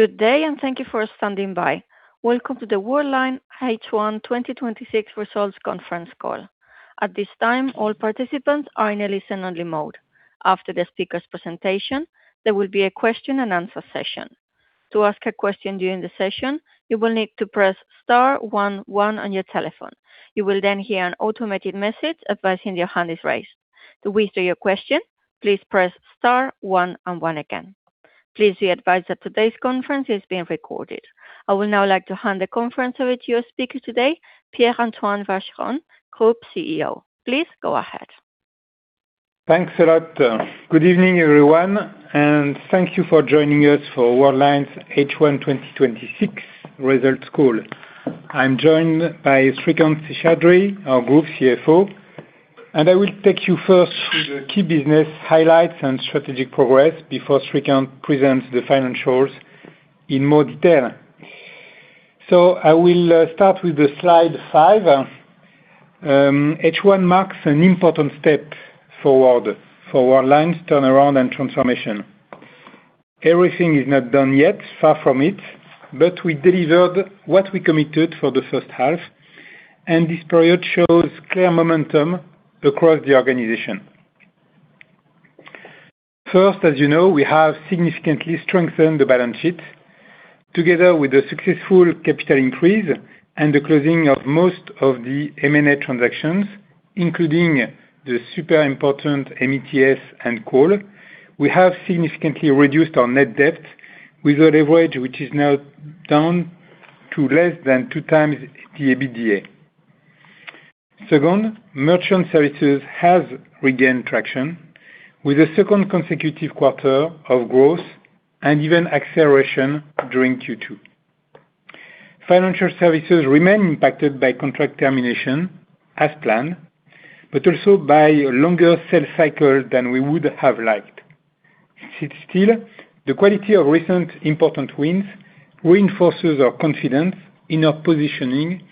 Good day, and thank you for standing by. Welcome to the Worldline H1 2026 results conference call. At this time, all participants are in a listen-only mode. After the speaker's presentation, there will be a question and answer session. To ask a question during the session, you will need to press star one one on your telephone. You will then hear an automated message advising your hand is raised. To withdraw your question, please press star one and one again. Please be advised that today's conference is being recorded. I would now like to hand the conference over to your speaker today, Pierre-Antoine Vacheron, Group CEO. Please go ahead. Thanks a lot. Good evening, everyone, and thank you for joining us for Worldline's H1 2026 results call. I am joined by Srikanth Seshadri, our Group CFO. I will take you first through the key business highlights and strategic progress before Srikanth presents the financials in more detail. I will start with slide five. H1 marks an important step forward for Worldline's turnaround and transformation. Everything is not done yet, far from it. We delivered what we committed for the first half. This period shows clear momentum across the organization. First, as you know, we have significantly strengthened the balance sheet together with a successful capital increase. The closing of most of the M&A transactions, including the super important MeTS and CAWL. We have significantly reduced our net debt with a leverage which is now down to less than two times the EBITDA. Second, Merchant Services has regained traction with a second consecutive quarter of growth and even acceleration during Q2. Financial Services remain impacted by contract termination as planned. Also by a longer sales cycle than we would have liked. Still, the quality of recent important wins reinforces our confidence in our positioning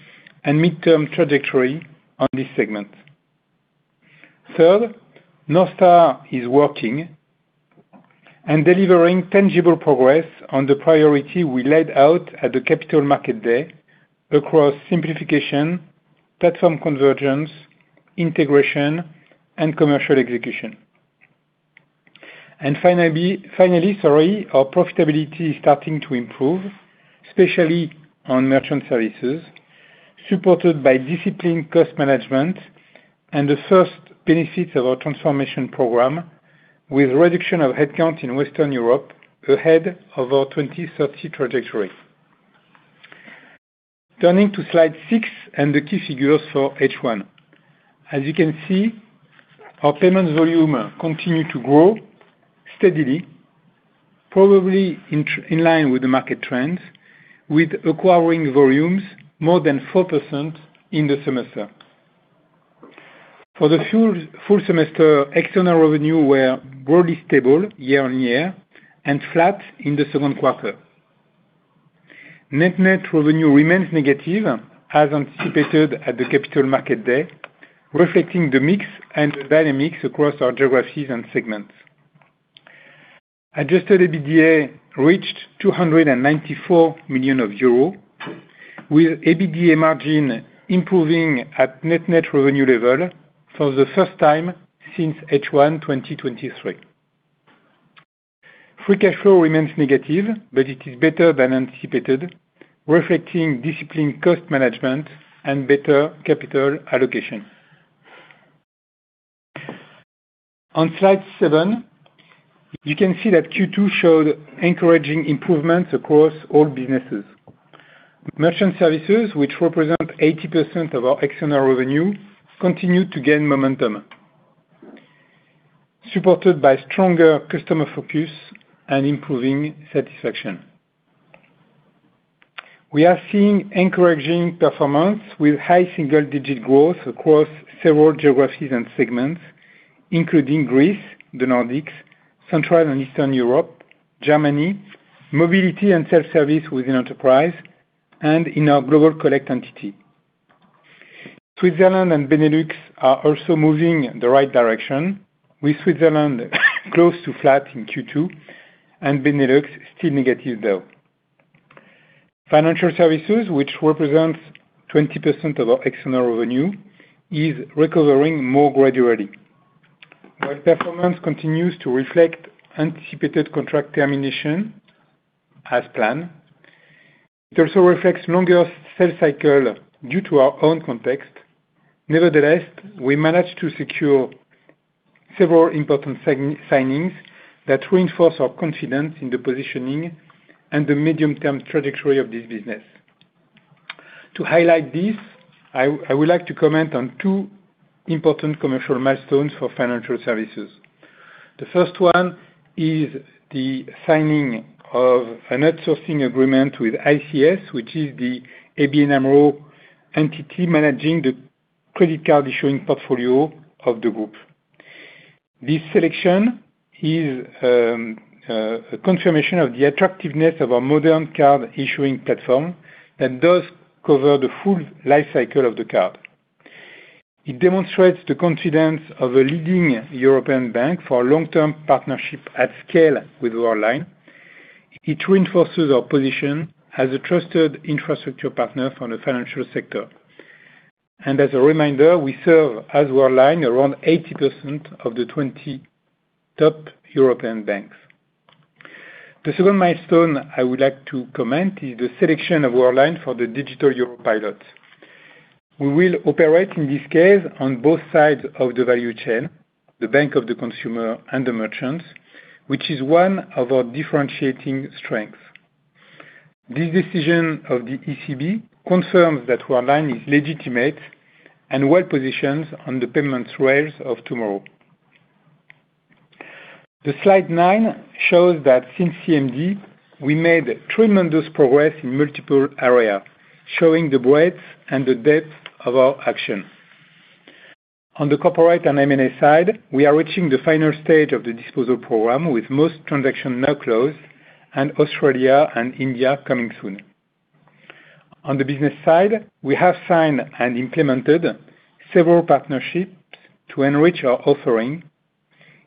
and midterm trajectory on this segment. Third, North Star is working and delivering tangible progress on the priority we laid out at the Capital Markets Day across simplification, platform convergence, integration, and commercial execution. Finally, sorry, our profitability is starting to improve, especially on Merchant Services, supported by disciplined cost management and the first benefits of our transformation program, with reduction of headcount in Western Europe ahead of our 2030 trajectory. Turning to slide six and the key figures for H1. As you can see, our payments volume continued to grow steadily, probably in line with the market trends, with acquiring volumes more than 4% in the semester. For the full semester, external revenue were broadly stable year-over-year and flat in the second quarter. Net revenue remains negative as anticipated at the Capital Markets Day, reflecting the mix and the dynamics across our geographies and segments. Adjusted EBITDA reached 294 million euros, with EBITDA margin improving at net revenue level for the first time since H1 2023. Free cash flow remains negative. It is better than anticipated, reflecting disciplined cost management and better capital allocation. On slide seven, you can see that Q2 showed encouraging improvements across all businesses. Merchant Services, which represent 80% of our external revenue, continued to gain momentum, supported by stronger customer focus and improving satisfaction. We are seeing encouraging performance with high single-digit growth across several geographies and segments, including Greece, the Nordics, Central and Eastern Europe, Germany, mobility and self-service within enterprise, and in our Global Collect entity. Switzerland and Benelux are also moving in the right direction, with Switzerland close to flat in Q2 and Benelux still negative though. Financial Services, which represents 20% of our external revenue, is recovering more gradually. While performance continues to reflect anticipated contract termination as planned, it also reflects longer sales cycle due to our own context. Nevertheless, we managed to secure several important signings that reinforce our confidence in the positioning and the medium-term trajectory of this business. To highlight this, I would like to comment on two important commercial milestones for Financial Services. The first one is the signing of an outsourcing agreement with ICS, which is the ABN AMRO entity managing the credit card issuing portfolio of the group. This selection is a confirmation of the attractiveness of our modern card issuing platform that does cover the full life cycle of the card. It demonstrates the confidence of a leading European bank for a long-term partnership at scale with Worldline. It reinforces our position as a trusted infrastructure partner for the financial sector. As a reminder, we serve, as Worldline, around 80% of the 20 top European banks. The second milestone I would like to comment is the selection of Worldline for the digital euro pilot. We will operate in this case on both sides of the value chain, the bank of the consumer, and the merchants, which is one of our differentiating strengths. This decision of the ECB confirms that Worldline is legitimate and well-positioned on the payments rails of tomorrow. The slide nine shows that since CMD, we made tremendous progress in multiple areas, showing the breadth and the depth of our action. On the corporate and M&A side, we are reaching the final stage of the disposal program, with most transactions now closed, and Australia and India coming soon. On the business side, we have signed and implemented several partnerships to enrich our offering,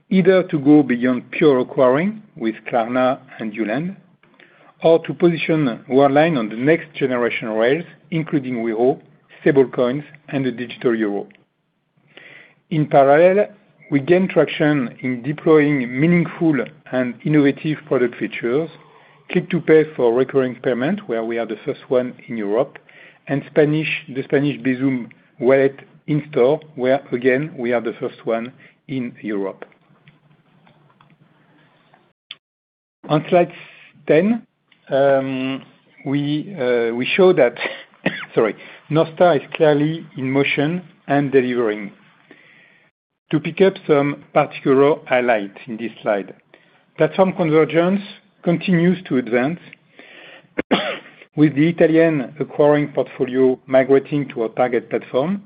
either to go beyond pure acquiring with Klarna and Worldline, or to position Worldline on the next generation rails, including Wero, stablecoins, and the digital euro. In parallel, we gain traction in deploying meaningful and innovative product features, Click to Pay for recurring payment, where we are the first one in Europe, and the Spanish Bizum wallet in store, where again, we are the first one in Europe. On slide 10, we show that sorry, North Star is clearly in motion and delivering. To pick up some particular highlights in this slide. Platform convergence continues to advance with the Italian acquiring portfolio migrating to our target platform.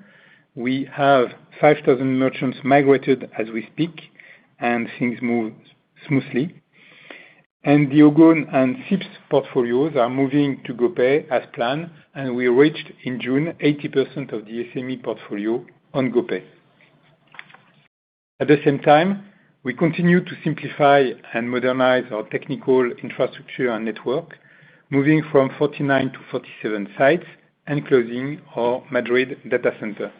We have 5,000 merchants migrated as we speak, and things move smoothly. The Ogone and Sips portfolios are moving to GoPay as planned, and we reached, in June, 80% of the SME portfolio on GoPay. At the same time, we continue to simplify and modernize our technical infrastructure and network, moving from 49 to 47 sites and closing our Madrid data center.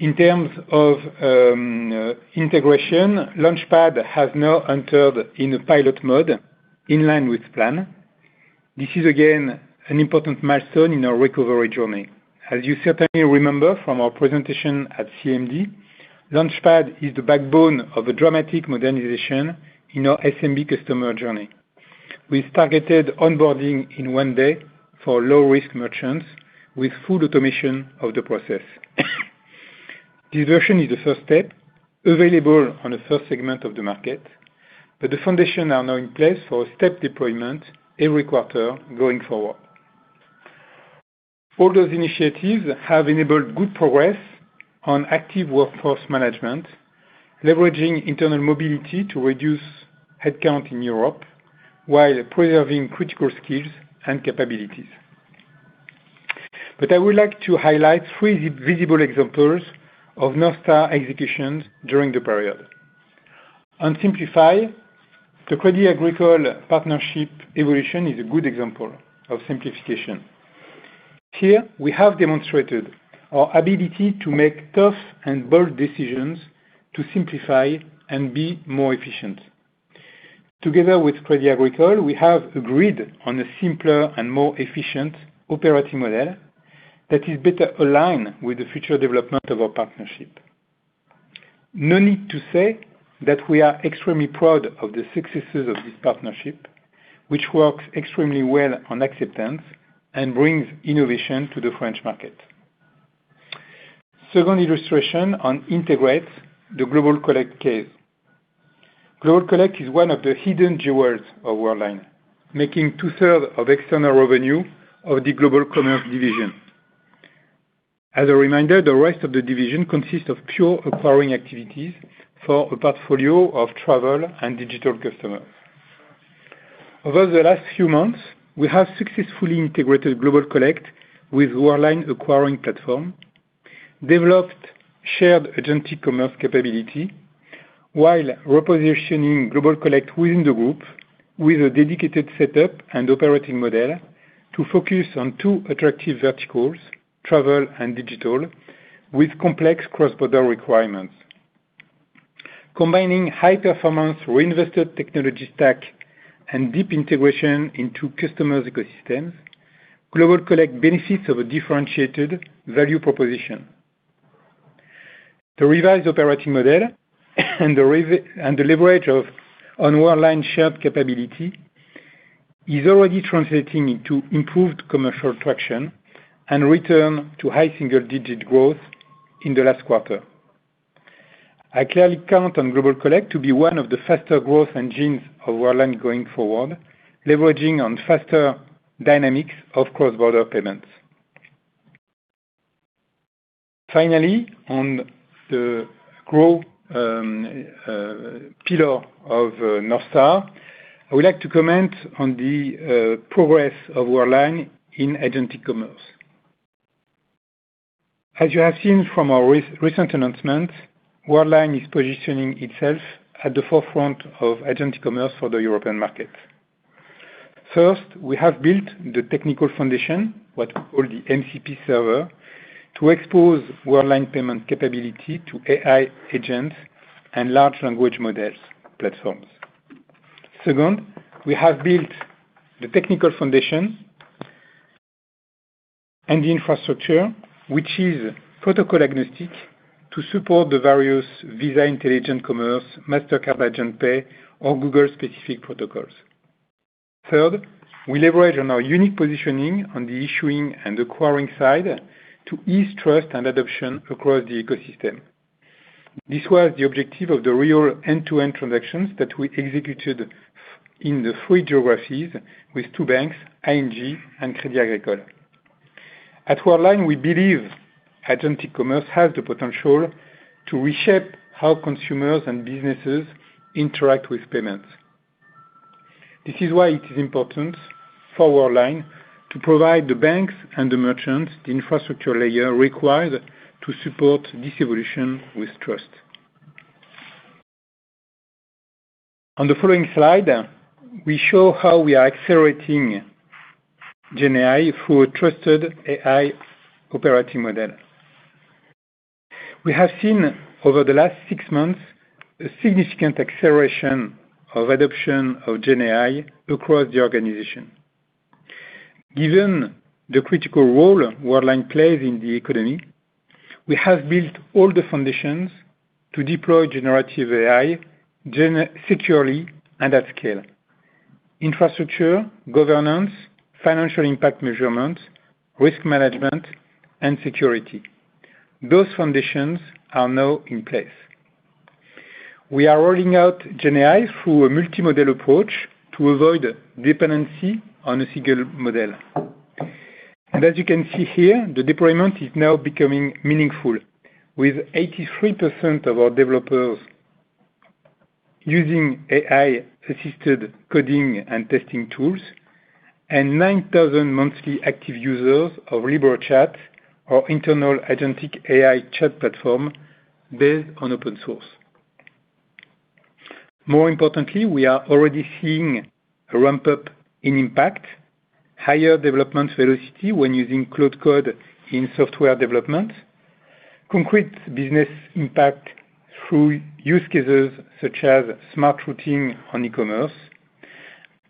In terms of integration, Launchpad has now entered in a pilot mode, in line with plan. This is again an important milestone in our recovery journey. As you certainly remember from our presentation at CMD, Launchpad is the backbone of a dramatic modernization in our SMB customer journey. We've targeted onboarding in one day for low-risk merchants, with full automation of the process. This version is the first step, available on a first segment of the market. The foundations are now in place for step deployment every quarter going forward. All those initiatives have enabled good progress on active workforce management, leveraging internal mobility to reduce headcount in Europe, while preserving critical skills and capabilities. I would like to highlight three visible examples of North Star executions during the period. On simplify, the Crédit Agricole partnership evolution is a good example of simplification. Here, we have demonstrated our ability to make tough and bold decisions to simplify and be more efficient. Together with Crédit Agricole, we have agreed on a simpler and more efficient operating model that is better aligned with the future development of our partnership. No need to say that we are extremely proud of the successes of this partnership, which works extremely well on acceptance and brings innovation to the French market. Second illustration on integrate, the Global Collect case. Global Collect is one of the hidden jewels of Worldline, making 2/3 of external revenue of the Global Commerce division. As a reminder, the rest of the division consists of pure acquiring activities for a portfolio of travel and digital customers. Over the last few months, we have successfully integrated Global Collect with Worldline's acquiring platform, developed shared agency commerce capability, while repositioning Global Collect within the group with a dedicated setup and operating model to focus on two attractive verticals, travel and digital, with complex cross-border requirements. Combining high performance, reinvested technology stack, and deep integration into customers' ecosystems, Global Collect benefits of a differentiated value proposition. The revised operating model and the leverage of Worldline's shared capability is already translating into improved commercial traction and return to high single-digit growth in the last quarter. I clearly count on Global Collect to be one of the faster growth engines of Worldline going forward, leveraging on faster dynamics of cross-border payments. Finally, on the grow pillar of North Star, I would like to comment on the progress of Worldline in agentic commerce. As you have seen from our recent announcement, Worldline is positioning itself at the forefront of agentic commerce for the European market. First, we have built the technical foundation, what we call the MCP Server, to expose Worldline payment capability to AI agents and large language models platforms. Second, we have built the technical foundation and the infrastructure, which is protocol agnostic, to support the various Visa Intelligent Commerce, Mastercard Agent Pay, or Google-specific protocols. Third, we leverage on our unique positioning on the issuing and acquiring side to ease trust and adoption across the ecosystem. This was the objective of the real end-to-end transactions that we executed in the three geographies with two banks, ING and Crédit Agricole. At Worldline, we believe agentic commerce has the potential to reshape how consumers and businesses interact with payments. This is why it is important for Worldline to provide the banks and the merchants the infrastructure layer required to support this evolution with trust. On the following slide, we show how we are accelerating GenAI through a trusted AI operating model. We have seen over the last six months, a significant acceleration of adoption of GenAI across the organization. Given the critical role Worldline plays in the economy, we have built all the foundations to deploy generative AI, Gen securely and at scale. Infrastructure, governance, financial impact measurement, risk management, and security. Those foundations are now in place. We are rolling out GenAI through a multi-model approach to avoid dependency on a single model. As you can see here, the deployment is now becoming meaningful with 83% of our developers using AI-assisted coding and testing tools, and 9,000 monthly active users of Libor Chat, our internal agentic AI chat platform based on open source. More importantly, we are already seeing a ramp-up in impact, higher development velocity when using cloud code in software development, concrete business impact through use cases such as smart routing on e-commerce,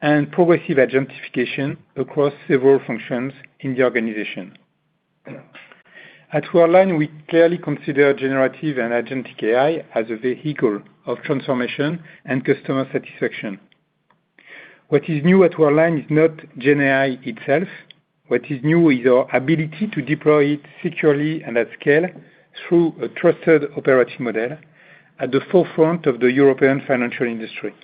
and progressive agentification across several functions in the organization. At Worldline, we clearly consider generative and agentic AI as a vehicle of transformation and customer satisfaction. What is new at Worldline is not GenAI itself. What is new is our ability to deploy it securely and at scale through a trusted operating model at the forefront of the European financial industry.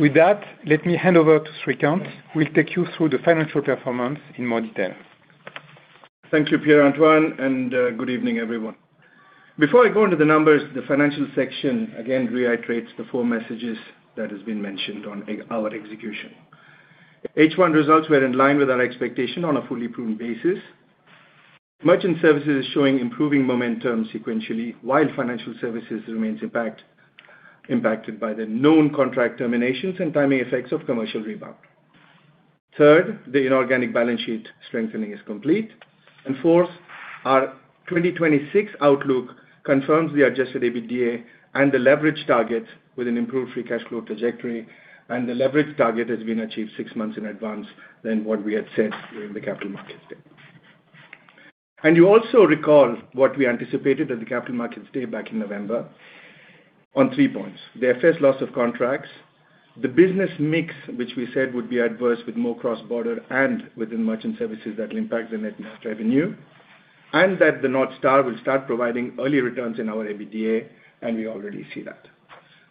With that, let me hand over to Srikanth, who will take you through the financial performance in more detail. Thank you, Pierre-Antoine, and good evening, everyone. Before I go into the numbers, the financial section, again, reiterates the four messages that has been mentioned on our execution. H1 results were in line with our expectation on a fully prune basis. Merchant Services is showing improving momentum sequentially, while Financial Services remains impacted by the known contract terminations and timing effects of commercial rebound. Third, the inorganic balance sheet strengthening is complete. Fourth, our 2026 outlook confirms the adjusted EBITDA and the leverage target with an improved free cash flow trajectory, and the leverage target has been achieved six months in advance than what we had said during the Capital Markets Day. You also recall what we anticipated at the Capital Markets Day back in November on three points. The IFRS loss of contracts, the business mix, which we said would be adverse with more cross-border and within Merchant Services that will impact the net revenue, that the North Star will start providing early returns in our EBITDA, and we already see that.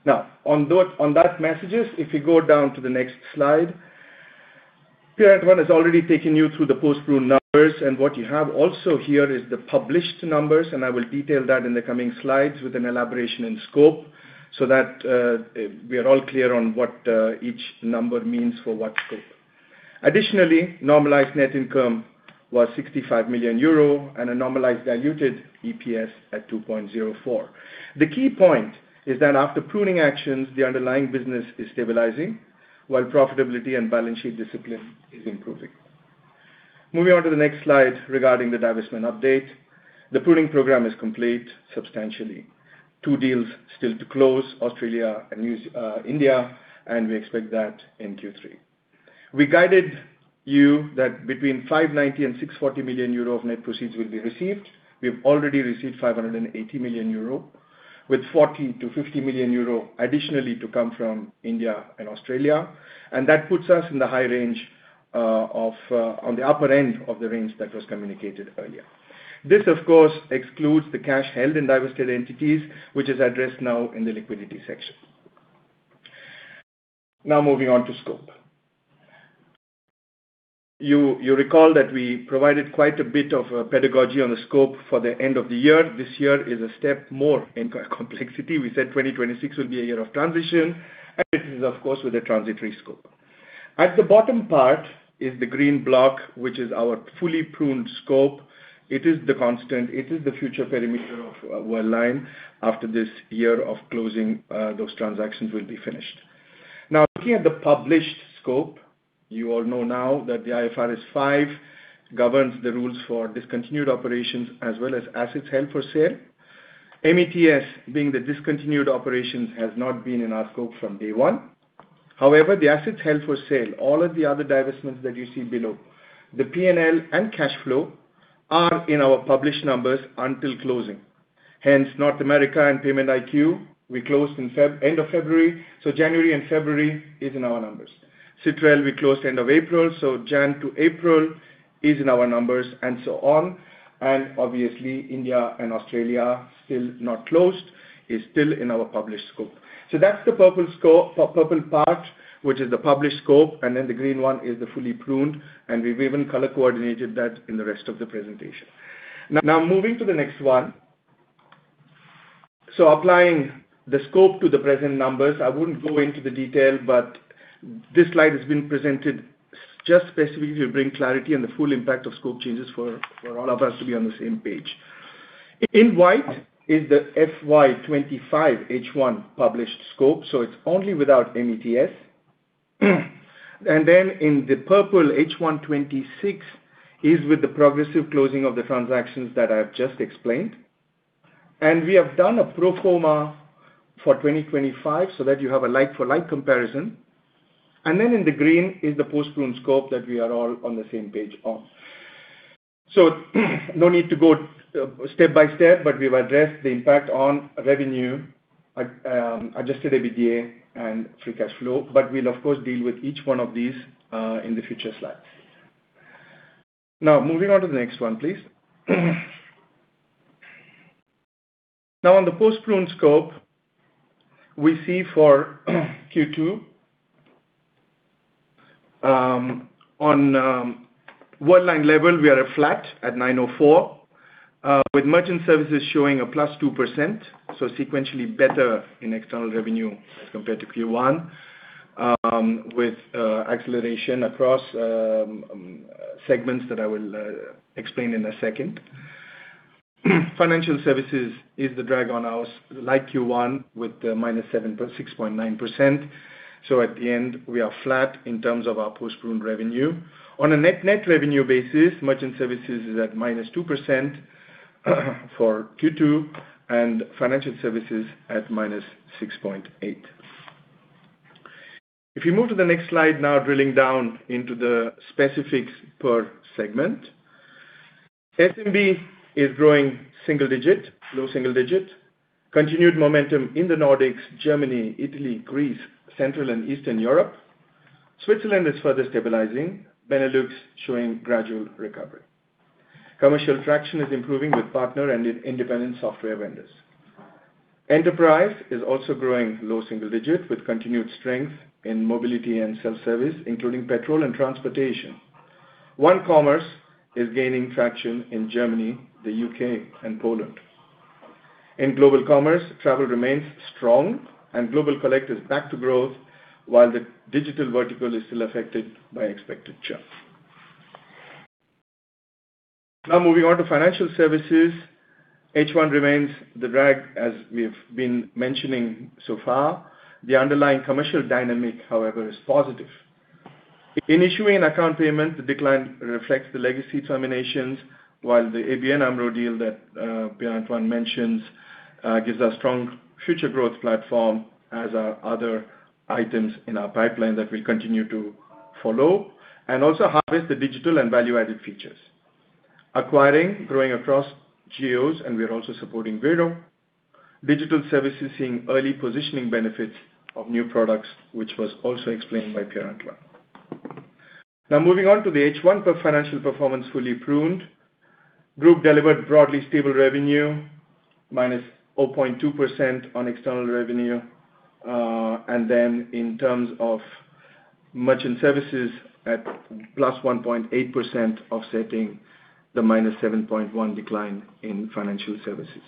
Now, on that messages, if you go down to the next slide, Pierre-Antoine has already taken you through the post-prune numbers, what you have also here is the published numbers, I will detail that in the coming slides with an elaboration and scope so that we are all clear on what each number means for what scope. Additionally, normalized net income was 65 million euro, and a normalized diluted EPS at 2.04. The key point is that after pruning actions, the underlying business is stabilizing while profitability and balance sheet discipline is improving. Moving on to the next slide regarding the divestment update. The pruning program is complete substantially. Two deals still to close, Australia and India. We expect that in Q3. We guided you that between 590 million and 640 million euro of net proceeds will be received. We have already received 580 million euro, with 40 million to 50 million euro additionally to come from India and Australia. That puts us in the high range of, on the upper end of the range that was communicated earlier. This, of course, excludes the cash held in divested entities, which is addressed now in the liquidity section. Moving on to scope. You recall that we provided quite a bit of pedagogy on the scope for the end of the year. This year is a step more in complexity. We said 2026 will be a year of transition. It is, of course, with a transitory scope. At the bottom part is the green block, which is our fully pruned scope. It is the constant. It is the future perimeter of Worldline after this year of closing, those transactions will be finished. Looking at the published scope, you all know now that the IFRS 5 governs the rules for discontinued operations as well as assets held for sale. MeTS being the discontinued operations has not been in our scope from day one. However, the assets held for sale, all of the other divestments that you see below, the P&L and cash flow are in our published numbers until closing. Hence North America and PaymentIQ, we closed end of February. January and February is in our numbers. Cetrel we closed end of April. Jan to April is in our numbers and so on. Obviously India and Australia, still not closed, is still in our published scope. That's the purple part, which is the published scope. Then the green one is the fully pruned, and we have even color-coordinated that in the rest of the presentation. Moving to the next one. Applying the scope to the present numbers, I would not go into the detail, but this slide has been presented just specifically to bring clarity and the full impact of scope changes for all of us to be on the same page. In white is the FY 2025 H1 published scope. It is only without MeTS. In the purple H1 2026 is with the progressive closing of the transactions that I have just explained. We have done a pro forma for 2025 so that you have a like-for-like comparison. In the green is the post-prune scope that we are all on the same page on. No need to go step by step, but we have addressed the impact on revenue, adjusted EBITDA and free cash flow. We will of course deal with each one of these in the future slides. Moving on to the next one, please. On the post-prune scope, we see for Q2, on Worldline level, we are flat at 904 million, with Merchant Services showing a +2%. Sequentially better in external revenue as compared to Q1, with acceleration across segments that I will explain in a second. Financial Services is the drag on house like Q1 with the -6.9%. At the end, we are flat in terms of our post-prune revenue. On a net revenue basis, Merchant Services is at -2% for Q2 and Financial Services at -6.8%. Moving to the next slide, drilling down into the specifics per segment. SMB is growing low single digit. Continued momentum in the Nordics, Germany, Italy, Greece, Central and Eastern Europe. Switzerland is further stabilizing. Benelux showing gradual recovery. Commercial traction is improving with partner and in Independent Software Vendors. Enterprise is also growing low single digit with continued strength in mobility and self-service, including petrol and transportation. One Commerce is gaining traction in Germany, the U.K. and Poland. In Global Commerce, travel remains strong and Global Collect is back to growth while the digital vertical is still affected by expected churn. Moving on to Financial Services. H1 remains the drag as we have been mentioning so far. The underlying commercial dynamic, however, is positive. In issuing and account payment, the decline reflects the legacy terminations, while the ABN AMRO deal that Pierre-Antoine mentioned gives a strong future growth platform as are other items in our pipeline that we will continue to follow and also harvest the digital and value-added features. Acquiring, growing across geos, and we are also supporting Wero. Digital Services seeing early positioning benefits of new products, which was also explained by Pierre-Antoine. Moving on to the H1 financial performance fully pruned. Group delivered broadly stable revenue, -0.2% on external revenue. In terms of Merchant Services at +1.8% offsetting the -7.1% decline in Financial Services.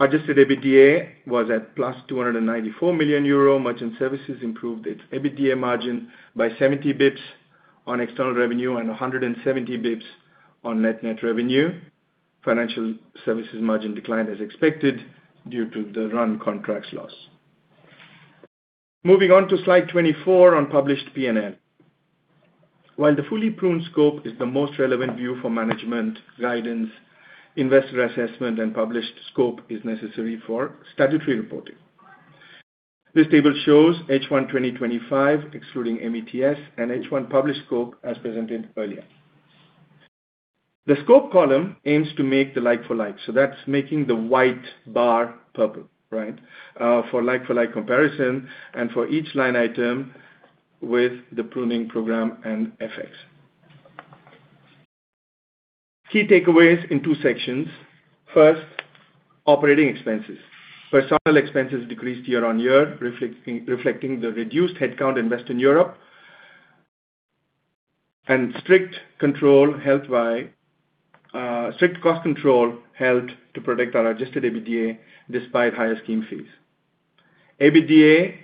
Adjusted EBITDA was at +294 million euro. Merchant Services improved its EBITDA margin by 70 basis points on external revenue and 170 basis points on net revenue. Financial Services margin declined as expected due to the run contracts loss. Moving on to slide 24 on published P&L. While the fully pruned scope is the most relevant view for management, guidance, investor assessment, and published scope is necessary for statutory reporting. This table shows H1 2025, excluding MeTS and H1 published scope as presented earlier. The scope column aims to make the like-for-like, so that is making the white bar purple, right? For like-for-like comparison and for each line item with the pruning program and FX. Key takeaways in two sections. First, operating expenses. Personnel expenses decreased year-over-year, reflecting the reduced headcount in Western Europe. Strict cost control helped to protect our adjusted EBITDA despite higher scheme fees. EBITDA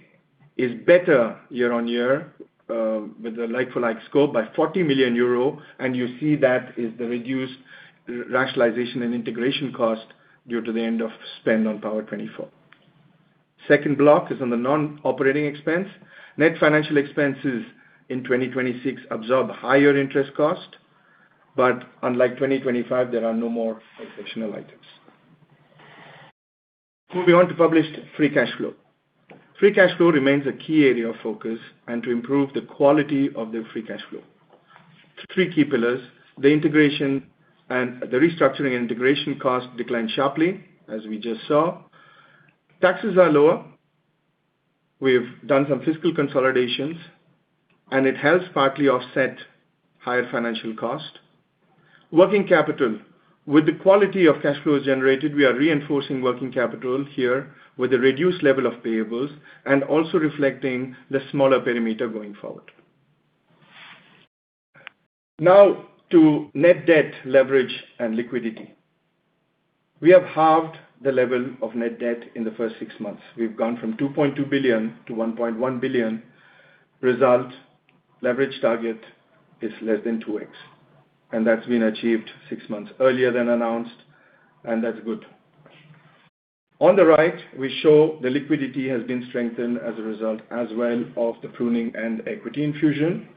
is better year-over-year with the like-for-like scope by 40 million euro, and you see that is the reduced rationalization and integration cost due to the end of spend on Power24. Second block is on the non-operating expense. Net financial expenses in 2026 absorb higher interest cost, but unlike 2025, there are no more exceptional items. Moving on to published free cash flow. Free cash flow remains a key area of focus and to improve the quality of the free cash flow. Three key pillars, the restructuring and integration cost declined sharply, as we just saw. Taxes are lower. We have done some fiscal consolidations, and it helps partly offset higher financial cost. Working capital. With the quality of cash flows generated, we are reinforcing working capital here with a reduced level of payables and also reflecting the smaller perimeter going forward. Now to net debt leverage and liquidity. We have halved the level of net debt in the first six months. We have gone from 2.2 billion to 1.1 billion. Result, leverage target is less than 2x. That's been achieved six months earlier than announced, and that's good. On the right, we show the liquidity has been strengthened as a result as well of the pruning and equity infusion.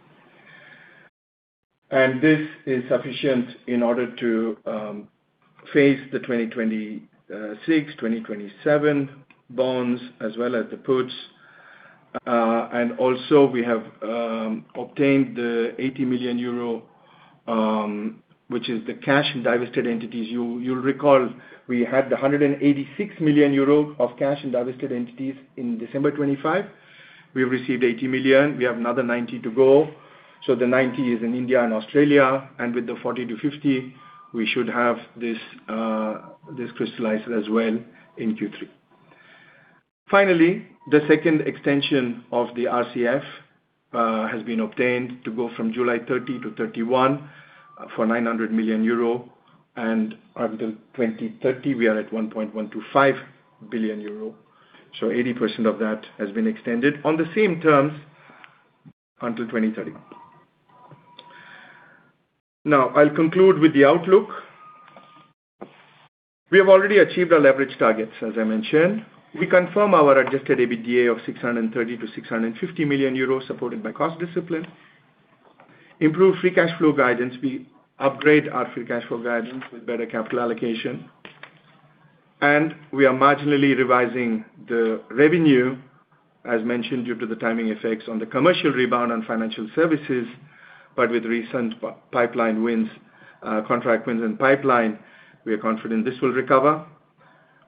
This is sufficient in order to face the 2026, 2027 bonds as well as the puts. Also we have obtained the 80 million euro which is the cash in divested entities. You'll recall we had the 186 million euro of cash in divested entities in December 2025. We've received 80 million. We have another 90 to go. The 90 is in India and Australia, and with the 40 million-50 million, we should have this crystallized as well in Q3. Finally, the second extension of the RCF has been obtained to go from July 30 to 31 for 900 million euro and until 2030, we are at 1.125 billion euro. 80% of that has been extended on the same terms until 2030. I'll conclude with the outlook. We have already achieved our leverage targets, as I mentioned. We confirm our adjusted EBITDA of 630 million-650 million euros, supported by cost discipline. Improved free cash flow guidance. We upgrade our free cash flow guidance with better capital allocation. And we are marginally revising the revenue, as mentioned, due to the timing effects on the commercial rebound on Financial Services, but with recent contract wins and pipeline, we are confident this will recover.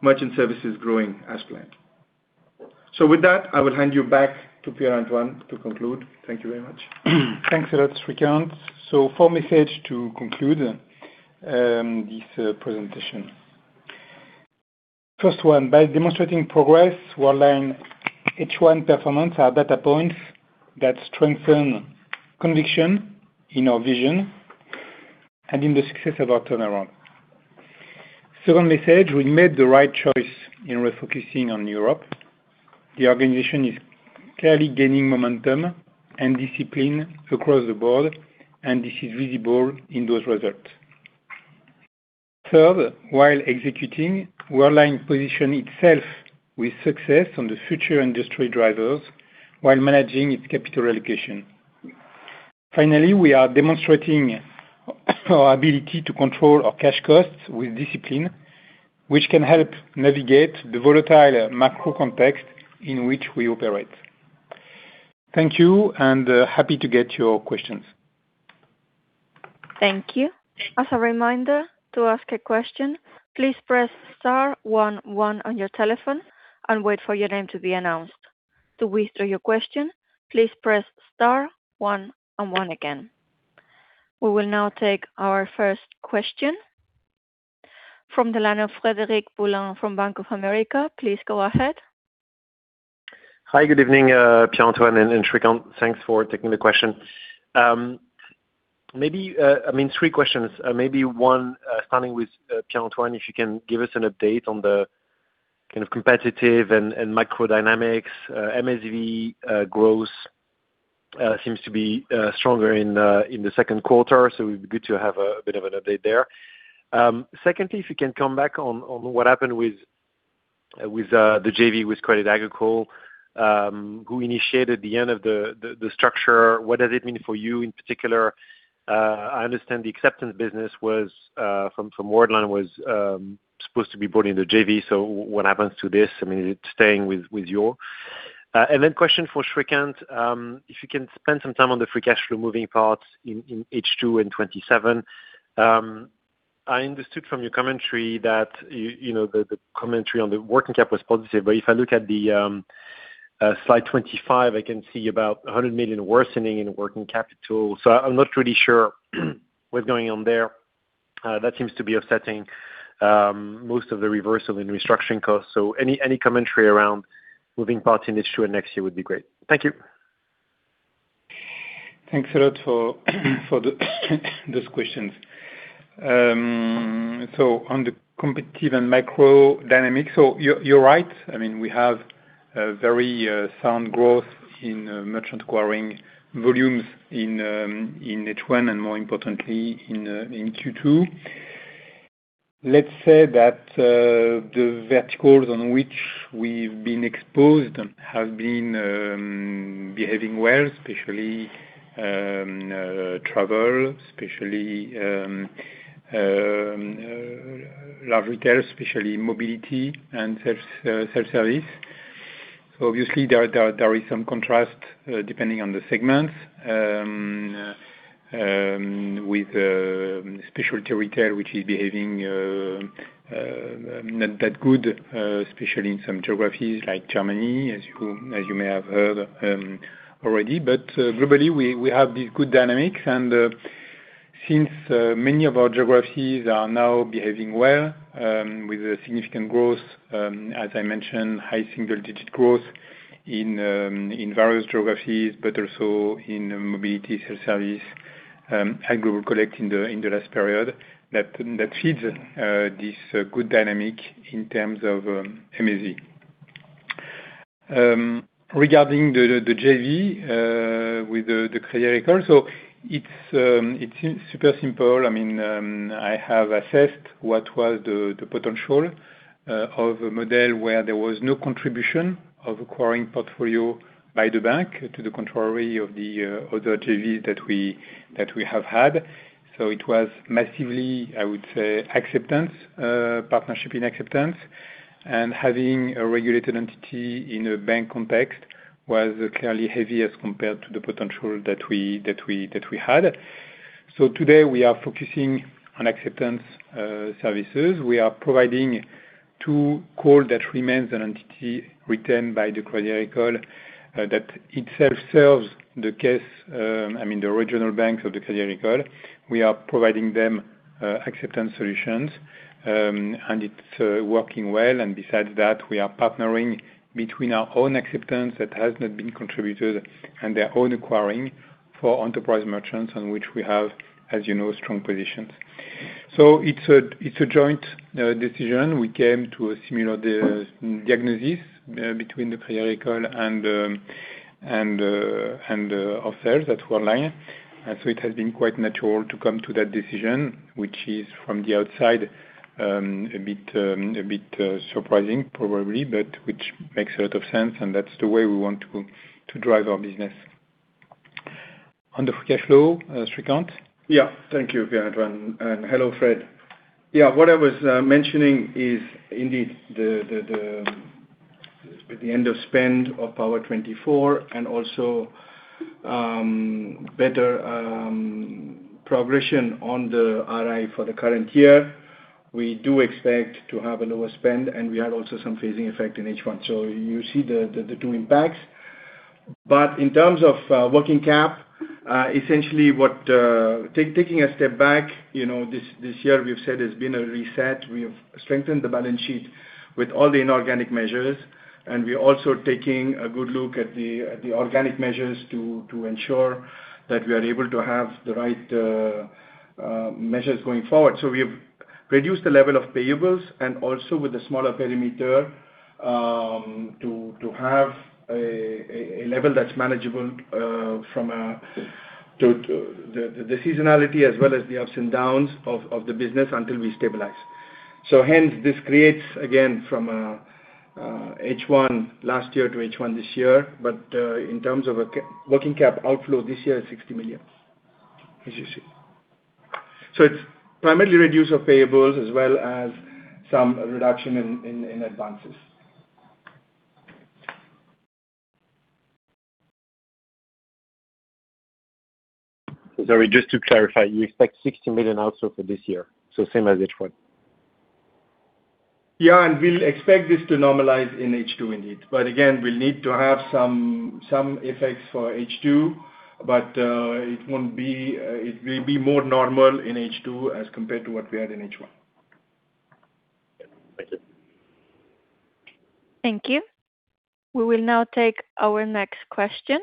Merchant Services growing as planned. With that, I will hand you back to Pierre-Antoine to conclude. Thank you very much. Thanks a lot, Srikanth. Four message to conclude this presentation. First one, by demonstrating progress, Worldline H1 performance are data points that strengthen conviction in our vision and in the success of our turnaround. Second message, we made the right choice in refocusing on Europe. The organization is clearly gaining momentum and discipline across the board, and this is visible in those results. Third, while executing, Worldline position itself with success on the future industry drivers while managing its capital allocation. Finally, we are demonstrating our ability to control our cash costs with discipline, which can help navigate the volatile macro context in which we operate. Thank you, and happy to get your questions. Thank you. As a reminder, to ask a question, please press star one one on your telephone and wait for your name to be announced. To withdraw your question, please press star one and one again. We will now take our first question from the line of Frederic Boulan from Bank of America. Please go ahead. Hi, good evening, Pierre-Antoine and Srikanth. Thanks for taking the question. Three questions, maybe one, starting with Pierre-Antoine, if you can give us an update on the kind of competitive and microdynamics. MSV growth seems to be stronger in the 2Q, it'd be good to have a bit of an update there. If you can come back on what happened with the JV with Crédit Agricole, who initiated the end of the structure. What does it mean for you in particular? I understand the acceptance business from Worldline was supposed to be brought into JV, what happens to this? I mean, is it staying with you? Question for Srikanth, if you can spend some time on the free cash flow moving parts in H2 and 2027. I understood from your commentary that the commentary on the working capital was positive, I can see about 100 million worsening in working capital on the Slide 25. I'm not really sure what's going on there. That seems to be offsetting most of the reversal in restructuring costs. Any commentary around moving parts in H2 and next year would be great. Thank you. Thanks a lot for those questions. On the competitive and micro dynamic, you're right. We have a very sound growth in merchant acquiring volumes in H1 and more importantly, in Q2. Let's say that the verticals on which we've been exposed have been behaving well, especially travel, especially large retail, especially mobility and self-service. Obviously there is some contrast, depending on the segment, with specialty retail, which is behaving not that good, especially in some geographies like Germany, as you may have heard already. Globally, we have these good dynamics and since many of our geographies are now behaving well, with a significant growth, as I mentioned, high single-digit growth in various geographies, but also in mobility, self-service, and Global Collect in the last period, that feeds this good dynamic in terms of MSV. Regarding the JV with the Crédit Agricole, it's super simple. I have assessed what was the potential of a model where there was no contribution of acquiring portfolio by the bank to the contrary of the other JVs that we have had. It was massively, I would say, acceptance, partnership in acceptance, and having a regulated entity in a bank context was clearly heavy as compared to the potential that we had. Today we are focusing on acceptance services. We are providing to CAWL that remains an entity retained by the Crédit Agricole, that itself serves the caisses, the original banks of the Crédit Agricole. We are providing them acceptance solutions, and it's working well, and besides that, we are partnering between our own acceptance that has not been contributed, and their own acquiring for enterprise merchants on which we have, as you know, strong positions. It's a joint decision. We came to a similar diagnosis between Crédit Agricole and ourselves at Worldline. It has been quite natural to come to that decision, which is, from the outside, a bit surprising, probably, but which makes a lot of sense, and that's the way we want to drive our business. On the free cash flow, Srikanth? Thank you, Pierre-Antoine, and hello, Frederic. What I was mentioning is indeed the end of spend of Power24, and also better progression on the R&I for the current year. We do expect to have a lower spend, and we had also some phasing effect in H1. You see the two impacts. In terms of working cap, essentially taking a step back, this year we've said it's been a reset. We have strengthened the balance sheet with all the inorganic measures, and we're also taking a good look at the organic measures to ensure that we are able to have the right measures going forward. We've reduced the level of payables and also with the smaller perimeter, to have a level that's manageable from the seasonality as well as the ups and downs of the business until we stabilize. Hence, this creates, again, from H1 last year to H1 this year, but in terms of working cap outflow this year is 60 million, as you see. It's primarily reduce of payables as well as some reduction in advances. Sorry, just to clarify, you expect 60 million outflow for this year, so same as H1? We'll expect this to normalize in H2 indeed. Again, we'll need to have some effects for H2, but it will be more normal in H2 as compared to what we had in H1. Thank you. Thank you. We will now take our next question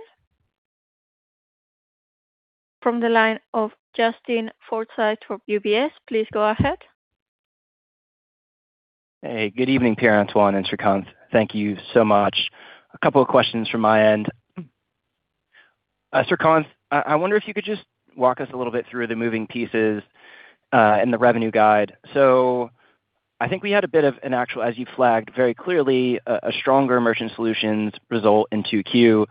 from the line of Justin Forsythe from UBS. Please go ahead. Hey, good evening, Pierre-Antoine and Srikanth. Thank you so much. A couple of questions from my end. Srikanth, I wonder if you could just walk us a little bit through the moving pieces, and the revenue guide. I think we had a bit of an actual, as you flagged very clearly, a stronger merchant solutions result in 2Q,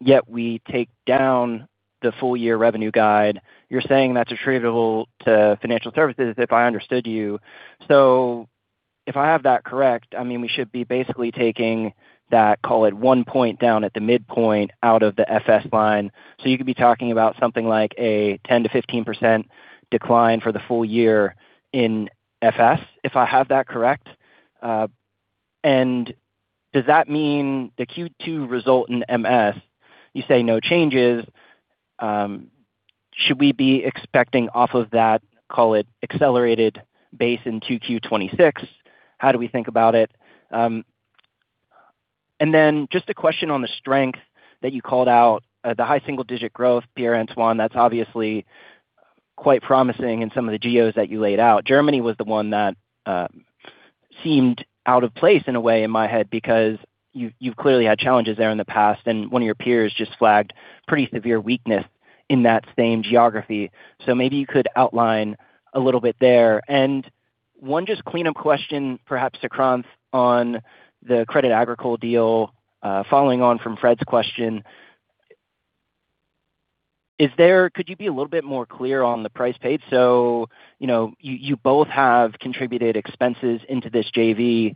yet we take down the full year revenue guide. You're saying that's attributable to Financial Services if I understood you. If I have that correct, we should be basically taking that, call it 1 point down at the midpoint out of the FS line. You could be talking about something like a 10%-15% decline for the full year in FS, if I have that correct? Does that mean the Q2 result in MS, you say no changes, should we be expecting off of that, call it accelerated base into Q26? How do we think about it? Then just a question on the strength that you called out, the high single-digit growth, Pierre-Antoine, that's obviously quite promising in some of the geos that you laid out. Germany was the one that seemed out of place in a way, in my head, because you've clearly had challenges there in the past, and one of your peers just flagged pretty severe weakness in that same geography. Maybe you could outline a little bit there. One just clean-up question, perhaps to Srikanth, on the Crédit Agricole deal, following on from Fred's question. Could you be a little bit more clear on the price paid? You both have contributed expenses into this JV.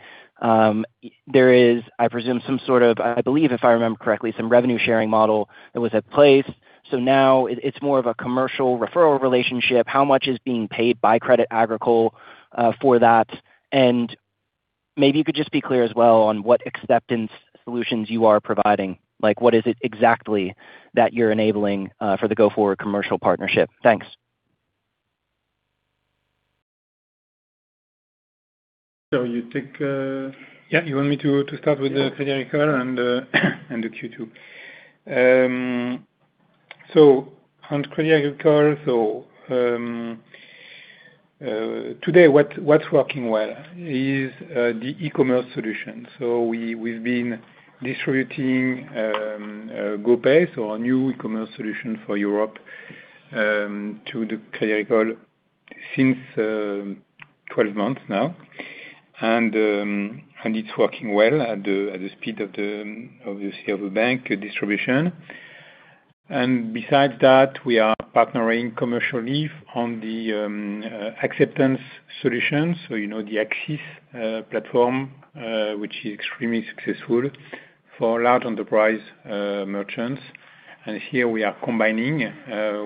There is, I presume, some sort of, I believe, if I remember correctly, some revenue-sharing model that was at place. Now it's more of a commercial referral relationship. How much is being paid by Crédit Agricole for that? Maybe you could just be clear as well on what acceptance solutions you are providing. What is it exactly that you're enabling for the go-forward commercial partnership? Thanks. You take, yeah, you want me to start with the Crédit Agricole and the Q2? On Crédit Agricole, today, what's working well is the e-commerce solution. We've been distributing GoPay, our new e-commerce solution for Europe, to the Crédit Agricole since 12 months now. It's working well at the speed of the bank distribution. Besides that, we are partnering commercially on the acceptance solutions. You know, the Axis platform, which is extremely successful for large enterprise merchants. Here we are combining,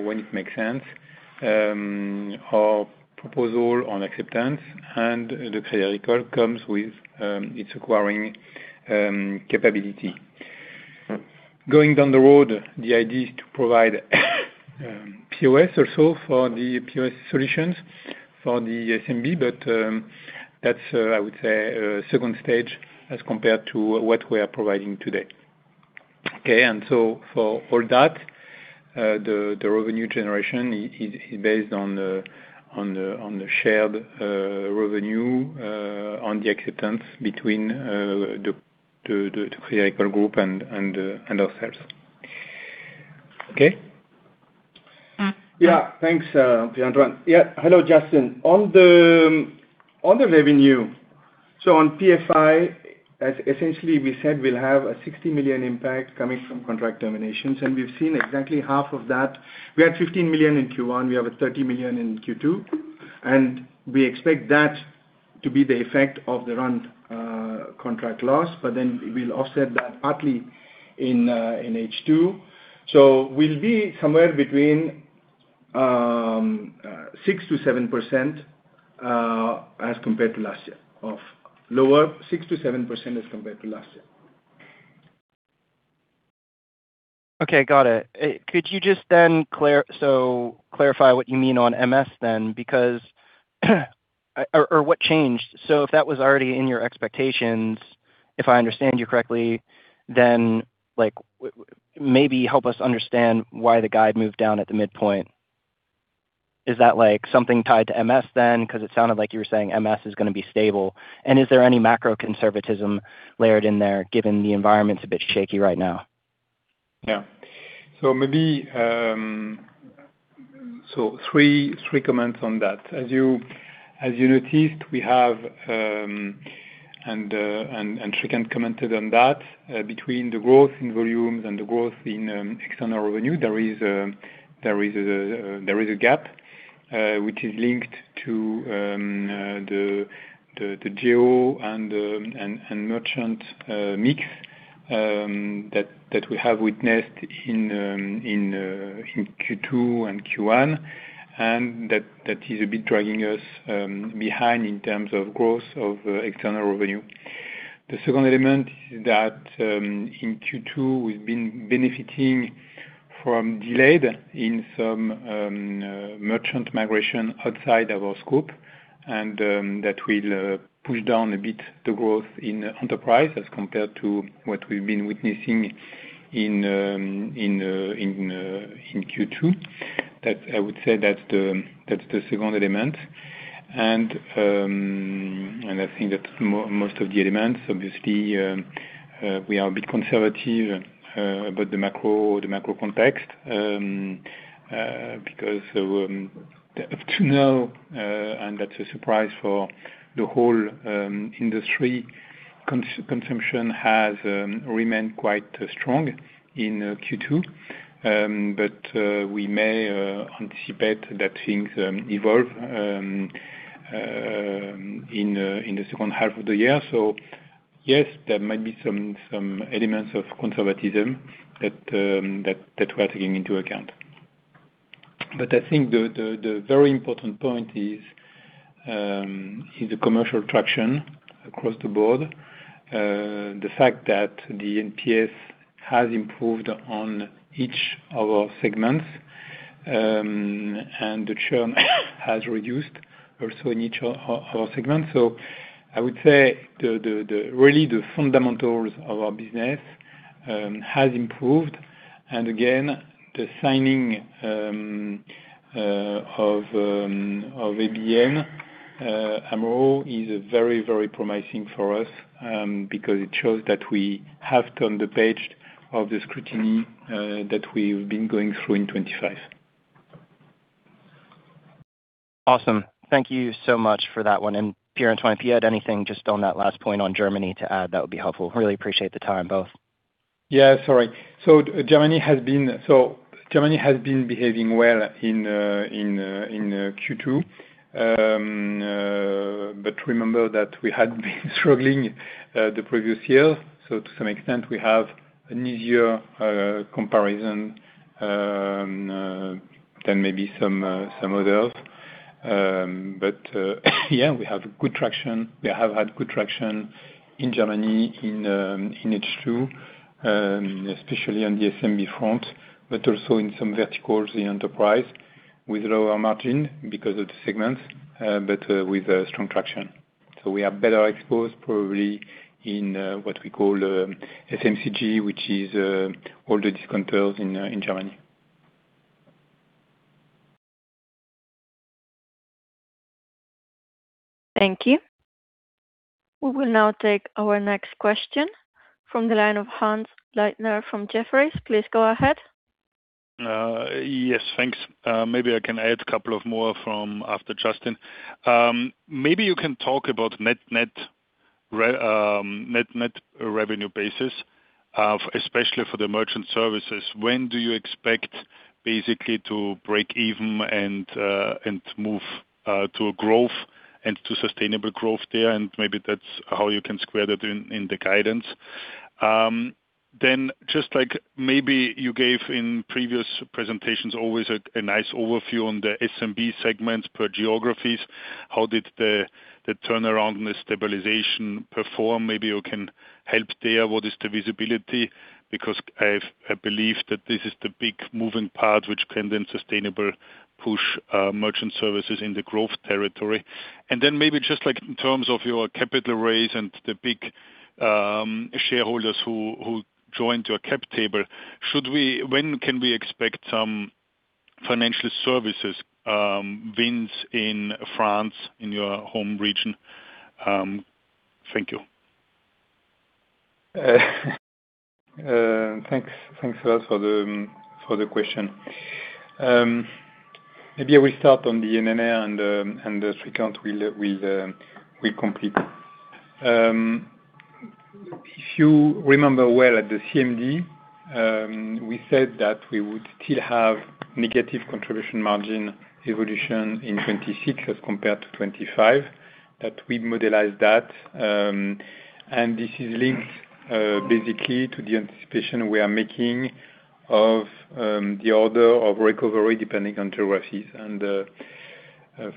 when it makes sense, our proposal on acceptance, and the Crédit Agricole comes with its acquiring capability. Going down the road, the idea is to provide POS also for the POS solutions for the SMB, but that's, I would say, a stage 2 as compared to what we are providing today. Okay. For all that, the revenue generation is based on the shared revenue on the acceptance between the Crédit Agricole group and ourselves. Okay. Thanks, Pierre-Antoine. Hello, Justin. On the revenue, on FS, as essentially we said, we'll have a 60 million impact coming from contract terminations, and we've seen exactly half of that. We had 15 million in Q1, we have a 30 million in Q2, and we expect that to be the effect of the run contract loss. We'll offset that partly in H2. We'll be somewhere between 6%-7% as compared to last year of lower, 6%-7% as compared to last year. Okay, got it. Could you just clarify what you mean on MS then, because or what changed? If that was already in your expectations, if I understand you correctly, then maybe help us understand why the guide moved down at the midpoint. Is that something tied to MS then? Because it sounded like you were saying MS is going to be stable. Is there any macro conservatism layered in there given the environment's a bit shaky right now? Maybe, three comments on that. As you noticed, we have, Srikanth commented on that, between the growth in volumes and the growth in external revenue, there is a gap, which is linked to the geo and merchant mix that we have witnessed in Q2 and Q1, that is a bit dragging us behind in terms of growth of external revenue. The second element is that in Q2, we've been benefiting from delayed in some merchant migration outside our scope, that will push down a bit the growth in enterprise as compared to what we've been witnessing in Q2. I would say that's the second element. I think that most of the elements, obviously, we are a bit conservative about the macro context, because up to now, and that's a surprise for the whole industry, consumption has remained quite strong in Q2. We may anticipate that things evolve in the second half of the year. Yes, there might be some elements of conservatism that we are taking into account. I think the very important point is the commercial traction across the board. The fact that the NPS has improved on each of our segments, the churn has reduced also in each of our segments. I would say, really the fundamentals of our business has improved. Again, the signing of ABN AMRO is very promising for us, because it shows that we have turned the page of the scrutiny that we've been going through in 2025. Awesome. Thank you so much for that one. Pierre-Antoine, if you had anything just on that last point on Germany to add, that would be helpful. Really appreciate the time, both. Yeah, sorry. Germany has been behaving well in Q2. Remember that we had been struggling the previous year, so to some extent, we have an easier comparison than maybe some others. Yeah, we have good traction. We have had good traction in Germany in H2, especially on the SMB front, but also in some verticals in enterprise with lower margin because of the segments, but with strong traction. We are better exposed probably in what we call FMCG, which is all the discounters in Germany. Thank you. We will now take our next question from the line of Hannes Leitner from Jefferies. Please go ahead. Yes, thanks. Maybe I can add a couple of more after Justin. Maybe you can talk about net net revenue basis, especially for the Merchant Services. When do you expect basically to break even and to move to a growth and to sustainable growth there? Maybe that's how you can square that in the guidance. Just like maybe you gave in previous presentations, always a nice overview on the SMB segments per geographies. How did the turnaround and the stabilization perform? Maybe you can help there. What is the visibility? Because I believe that this is the big moving part, which can then sustainable push Merchant Services in the growth territory. Then maybe just like in terms of your capital raise and the big shareholders who joined your cap table, when can we expect some Financial Services wins in France, in your home region? Thank you. Thanks a lot for the question. Maybe I will start on the NNR and Srikanth will complete. If you remember well at the CMD, we said that we would still have negative contribution margin evolution in 2026 as compared to 2025. We'd model that, and this is linked basically to the anticipation we are making of the order of recovery depending on geographies.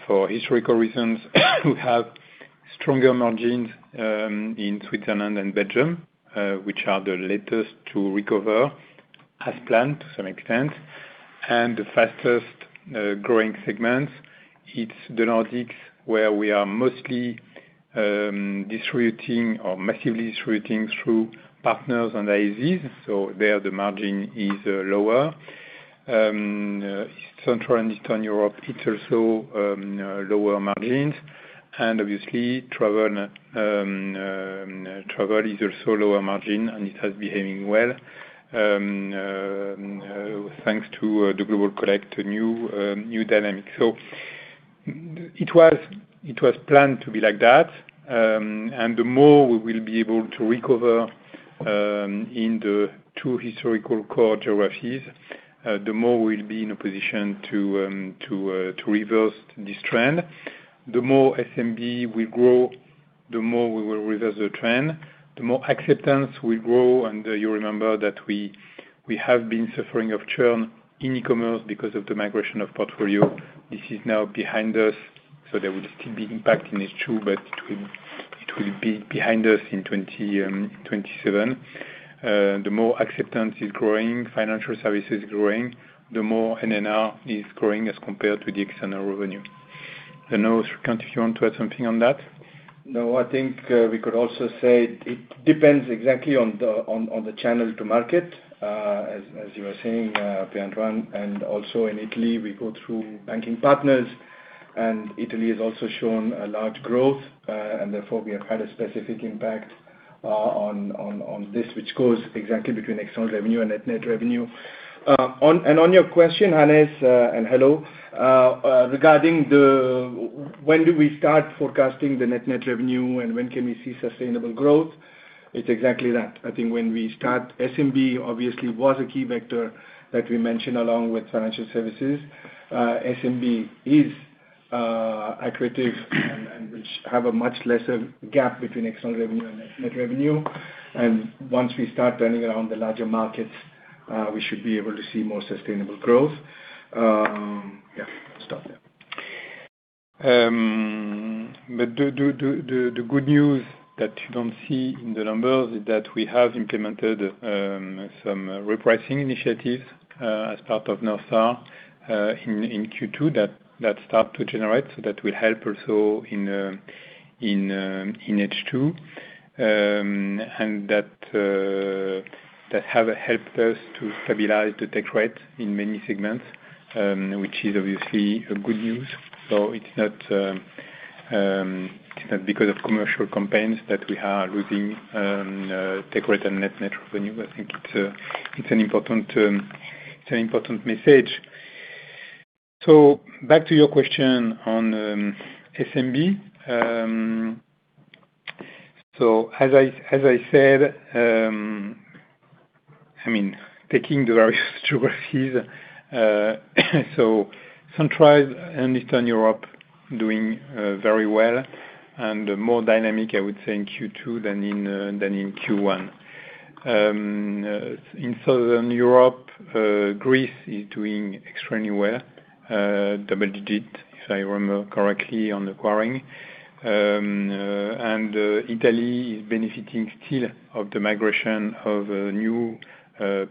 For historical reasons, we have stronger margins in Switzerland and Belgium, which are the latest to recover as planned to some extent. The fastest growing segments, it's the Nordics, where we are mostly distributing or massively distributing through partners and ISVs. There, the margin is lower. Central and Eastern Europe, it's also lower margins. Obviously travel is also lower margin, and it has been behaving well, thanks to the Global Collect new dynamic. It was planned to be like that. The more we will be able to recover in the two historical CAWL geographies, the more we'll be in a position to reverse this trend. The more SMB will grow, the more we will reverse the trend, the more acceptance will grow. You remember that we have been suffering of churn in e-commerce because of the migration of portfolio. This is now behind us, so there will still be impact in H2, but it will be behind us in 2027. The more acceptance is growing, Financial Services growing, the more NNR is growing as compared to the external revenue. I don't know, Srikanth, if you want to add something on that? I think we could also say it depends exactly on the channel to market. As you were saying, Pierre-Antoine, also in Italy, we go through banking partners, and Italy has also shown a large growth. Therefore, we have had a specific impact on this, which goes exactly between external revenue and net net revenue. On your question, Hans, and hello, regarding when do we start forecasting the net net revenue and when can we see sustainable growth? It's exactly that. I think when we start, SMB obviously was a key vector that we mentioned along with Financial Services. SMB is accretive and which have a much lesser gap between external revenue and net revenue. Once we start turning around the larger markets, we should be able to see more sustainable growth. I'll stop there. The good news that you don't see in the numbers is that we have implemented some repricing initiatives as part of North Star in Q2 that start to generate. That will help also in H2. That has helped us to stabilize the take rate in many segments, which is obviously a good news. It's not because of commercial campaigns that we are losing take rate and net revenue. I think it's an important message. Back to your question on SMB. As I said, taking the various geographies. Central and Eastern Europe doing very well and more dynamic, I would say, in Q2 than in Q1. In Southern Europe, Greece is doing extremely well. Double-digit, if I remember correctly, on acquiring. Italy is benefiting still of the migration of new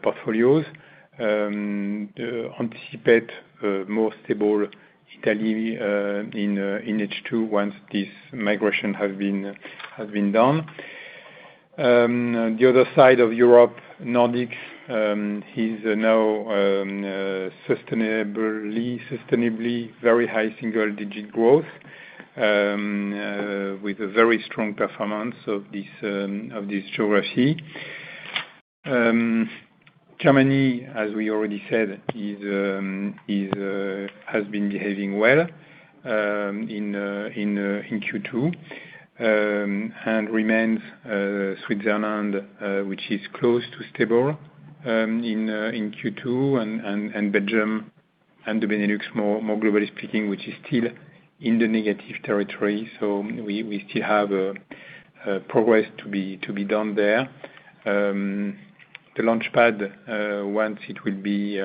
portfolios. Anticipate more stable Italy in H2 once this migration has been done. The other side of Europe, Nordics, is now sustainably very high single-digit growth with a very strong performance of this geography. Germany, as we already said, has been behaving well in Q2. Remains Switzerland which is close to stable in Q2 and Belgium and the Benelux more globally speaking, which is still in the negative territory. We still have progress to be done there. The Launchpad, once it will be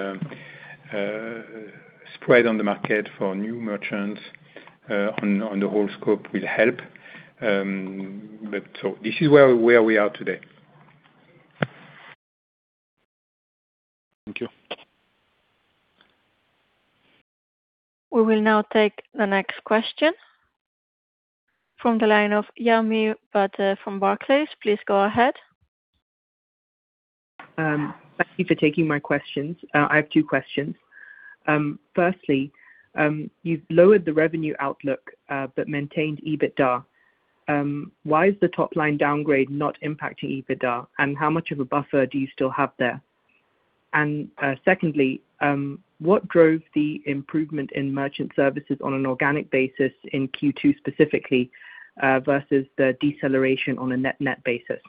spread on the market for new merchants on the whole scope will help. This is where we are today. Thank you. We will now take the next question from the line of Yaamir Badhe from Barclays. Please go ahead. Thank you for taking my questions. I have two questions. Firstly, you've lowered the revenue outlook, but maintained EBITDA. Why is the top line downgrade not impacting EBITDA? How much of a buffer do you still have there? Secondly, what drove the improvement in Merchant Services on an organic basis in Q2 specifically, versus the deceleration on a net basis?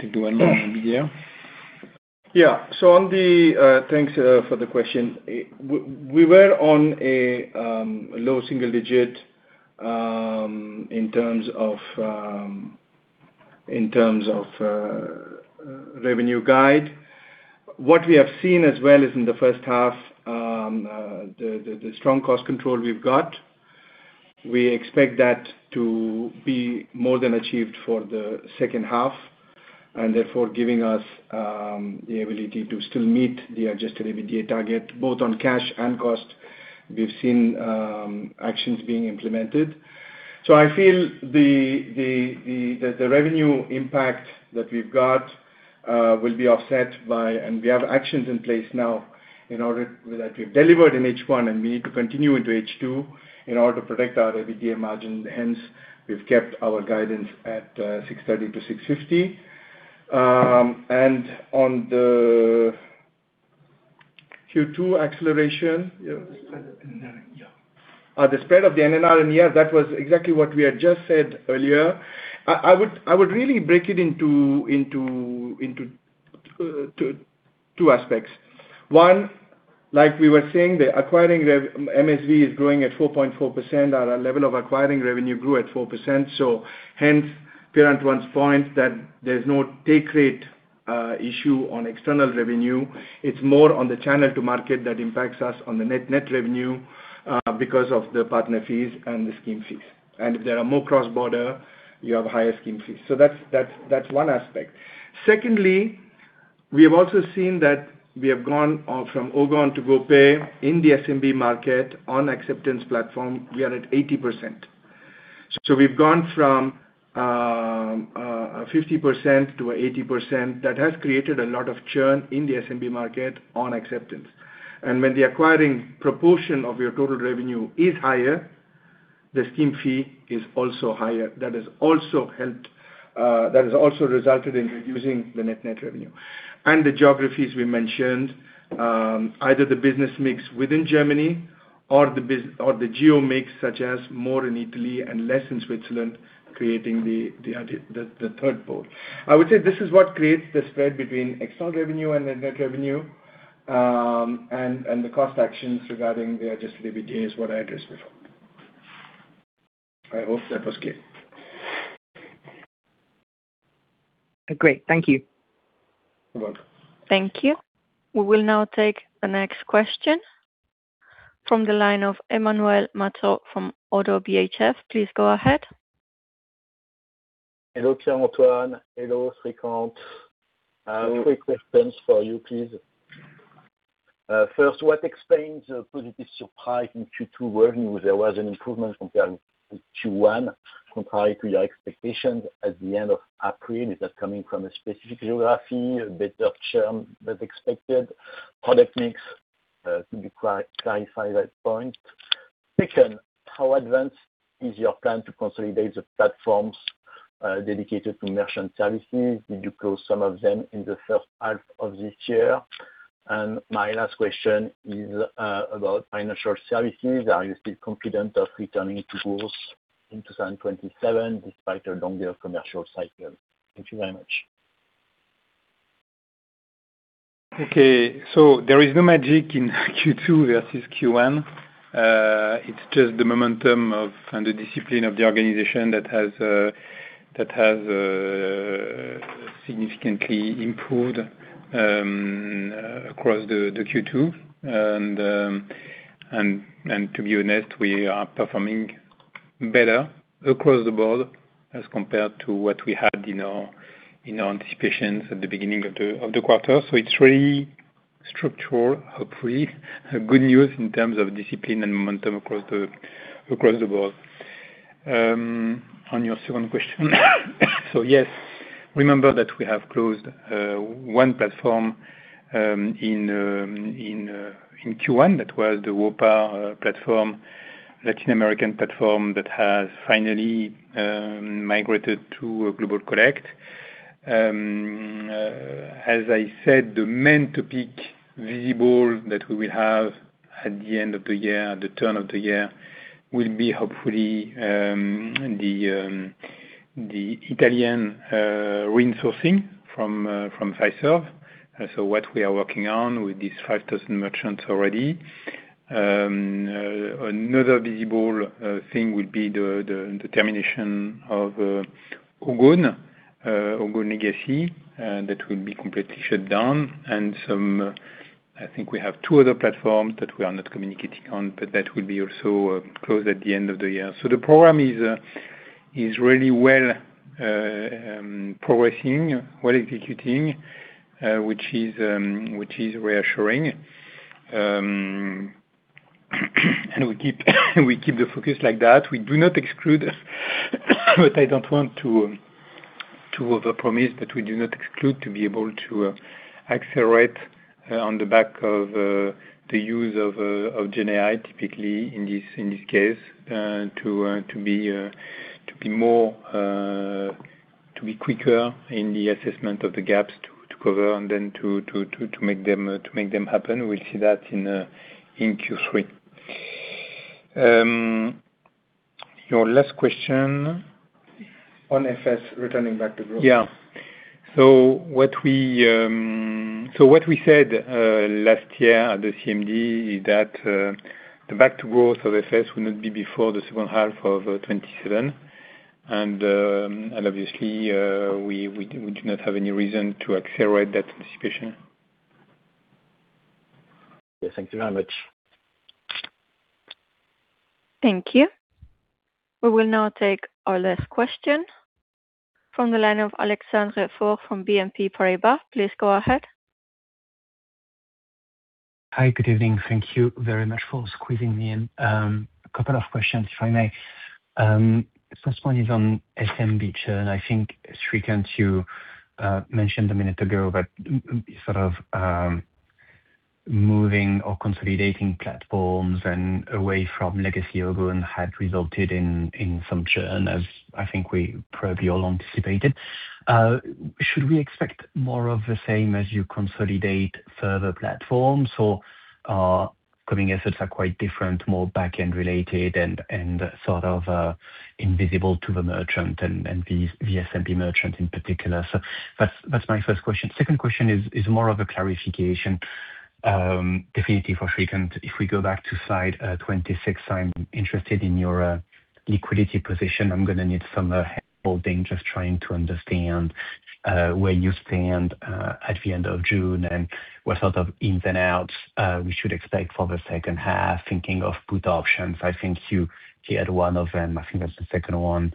Take the one on the video. Yeah. Thanks for the question. We were on a low single digit in terms of revenue guide. What we have seen as well is in the first half, the strong cost control we've got. We expect that to be more than achieved for the second half, and therefore giving us the ability to still meet the adjusted EBITDA target both on cash and cost. We've seen actions being implemented. I feel that the revenue impact that we've got will be offset by, and we have actions in place now that we've delivered in H1, and we need to continue into H2 in order to protect our EBITDA margin. Hence, we've kept our guidance at 630-650. On the Q2 acceleration. The spread of the NNR, yeah. The spread of the NNR. Yeah, that was exactly what we had just said earlier. I would really break it into two aspects. One, like we were saying, the acquiring MSV is growing at 4.4%. Our level of acquiring revenue grew at 4%. Hence, Pierre-Antoine's point that there's no take rate issue on external revenue. It's more on the channel to market that impacts us on the net revenue, because of the partner fees and the scheme fees. If there are more cross-border, you have higher scheme fees. That's one aspect. Secondly, we have also seen that we have gone from Ogone to GoPay in the SMB market on acceptance platform. We are at 80%. We've gone from 50%-80%. That has created a lot of churn in the SMB market on acceptance. When the acquiring proportion of your total revenue is higher, the scheme fee is also higher. That has also resulted in reducing the net revenue. The geographies we mentioned, either the business mix within Germany or the geo mix, such as more in Italy and less in Switzerland, creating the third pole. I would say this is what creates the spread between external revenue and net revenue, and the cost actions regarding the adjusted EBITDA, what I addressed before. I hope that was clear. Great. Thank you. You're welcome. Thank you. We will now take the next question from the line of Emmanuel Matot from Oddo BHF. Please go ahead. Hello, Pierre-Antoine. Hello, Srikanth. Hello. Three questions for you please. First, what explains the positive surprise in Q2 revenue? There was an improvement compared with Q1, contrary to your expectations at the end of April. Is that coming from a specific geography, a better churn than expected, product mix? To clarify that point. Second, how advanced is your plan to consolidate the platforms dedicated to Merchant Services? Did you close some of them in the first half of this year? My last question is about Financial Services. Are you still confident of returning to growth in 2027 despite a longer commercial cycle? Thank you very much. There is no magic in Q2 versus Q1. It's just the momentum and the discipline of the organization that has significantly improved across the Q2. To be honest, we are performing better across the board as compared to what we had in our anticipations at the beginning of the quarter. It's really structural, hopefully, good news in terms of discipline and momentum across the board. On your second question, remember that we have closed one platform in Q1. That was the Wopa platform, Latin American platform, that has finally migrated to Global Collect. As I said, the main topic visible that we will have at the end of the year, the turn of the year, will be hopefully the Italian resourcing from Fiserv. What we are working on with these 5,000 merchants already. Another visible thing will be the termination of Ogone legacy, that will be completely shut down. I think we have two other platforms that we are not communicating on, but that will be also closed at the end of the year. The program is really well progressing, well executing, which is reassuring. We keep the focus like that. We do not exclude, but I don't want to overpromise, but we do not exclude to be able to accelerate on the back of the use of GenAI, typically in these caisses, to be quicker in the assessment of the gaps to cover and then to make them happen. We'll see that in Q3. Your last question. On FS returning back to growth. Yeah. What we said last year at the CMD is that the back to growth of FS will not be before the second half of 2027. Obviously, we do not have any reason to accelerate that anticipation. Yeah. Thank you very much. Thank you. We will now take our last question from the line of Alexandre Faure from BNP Paribas. Please go ahead. Hi. Good evening. Thank you very much for squeezing me in. A couple of questions, if I may. First one is on SMB churn. I think, Srikanth, you mentioned a minute ago about sort of moving or consolidating platforms and away from legacy Ogone had resulted in some churn as I think we probably all anticipated. Should we expect more of the same as you consolidate further platforms? Coming efforts are quite different, more back-end related, and sort of invisible to the merchant and the SMB merchant in particular? That's my first question. Second question is more of a clarification, definitely for Srikanth. If we go back to slide 26, I'm interested in your liquidity position. I'm going to need some hand-holding just trying to understand where you stand at the end of June, and what sort of ins and outs we should expect for the second half. Thinking of put options, I think you had one of them, I think that's the second one.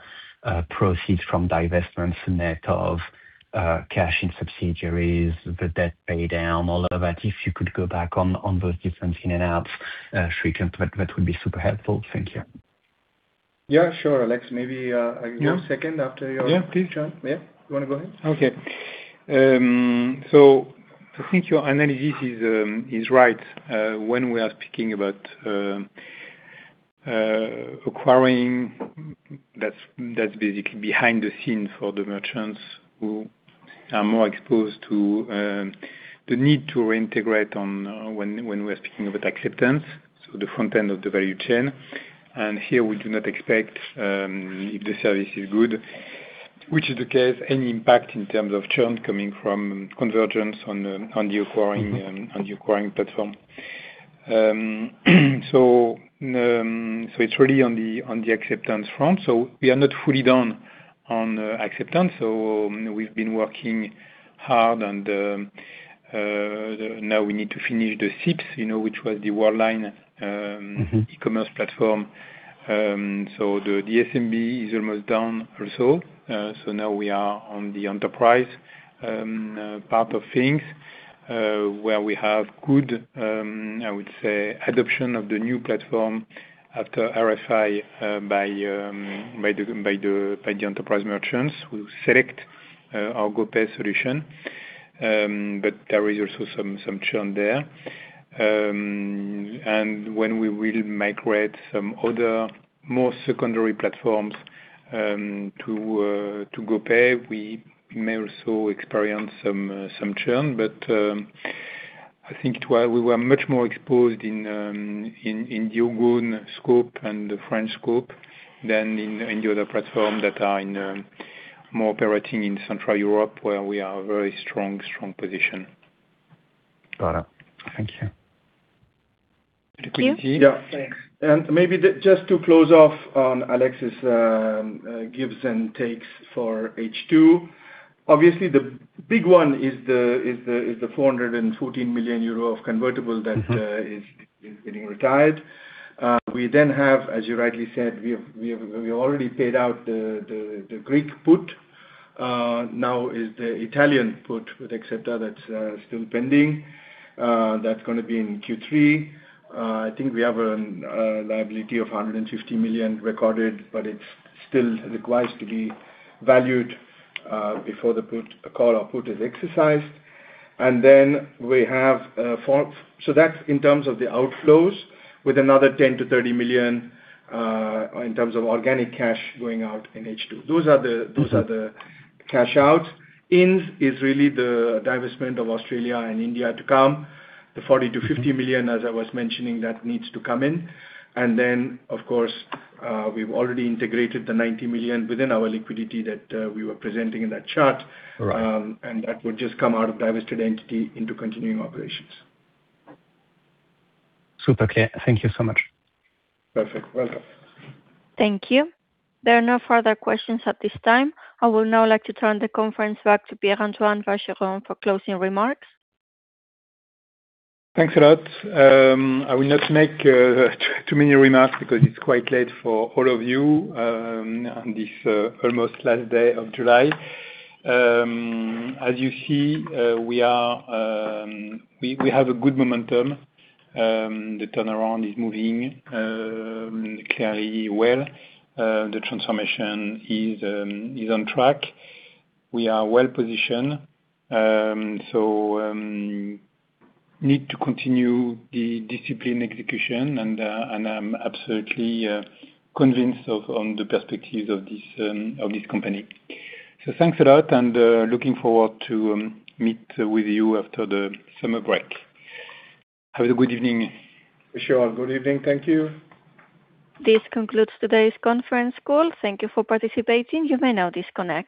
Proceeds from divestments net of cash in subsidiaries, the debt pay down, all of that. If you could go back on those different in and outs, Srikanth, that would be super helpful. Thank you. Yeah, sure, Alexandre. Yeah, please. Turn. Yeah. You want to go ahead? Okay. I think your analysis is right. When we are speaking about acquiring, that's basically behind the scene for the merchants who are more exposed to the need to reintegrate when we're speaking about acceptance, the front end of the value chain. Here we do not expect, if the service is good, which is the caisses, any impact in terms of churn coming from convergence on the acquiring platform. It's really on the acceptance front. We are not fully done on acceptance. We've been working hard and now we need to finish the Sips, which was the Worldline- e-commerce platform. The SMB is almost done also. Now we are on the enterprise part of things, where we have good, I would say adoption of the new platform after RFI by the enterprise merchants who select our GoPay solution. There is also some churn there. When we will migrate some other more secondary platforms to GoPay, we may also experience some churn. I think while we were much more exposed in the Ogone scope and the French scope than in the other platforms that are more operating in Central Europe, where we are very strong position. Got it. Thank you. Thank you. Yeah, thanks. Maybe just to close off on Alexandres' gives and takes for H2. Obviously, the big one is the 414 million euro of convertible that is getting retired. We have, as you rightly said, we already paid out the Greek put. Now is the Italian put with Axepta that's still pending. That's going to be in Q3. I think we have a liability of 150 million recorded, but it still requires to be valued before the call or put is exercised. That's in terms of the outflows, with another 10 million-30 million in terms of organic cash going out in H2. Those are the cash out. Ins is really the divestment of Australia and India to come, the 40 million-50 million, as I was mentioning, that needs to come in. Of course, we've already integrated the 90 million within our liquidity that we were presenting in that chart. Right. That would just come out of divested entity into continuing operations. Super clear. Thank you so much. Perfect. Welcome. Thank you. There are no further questions at this time. I would now like to turn the conference back to Pierre-Antoine Vacheron for closing remarks. Thanks a lot. I will not make too many remarks because it's quite late for all of you on this almost last day of July. As you see, we have a good momentum. The turnaround is moving clearly well. The transformation is on track. We are well-positioned. Need to continue the discipline execution and I'm absolutely convinced on the perspectives of this company. Thanks a lot and looking forward to meet with you after the summer break. Have a good evening. Sure. Good evening. Thank you. This concludes today's conference call. Thank you for participating. You may now disconnect.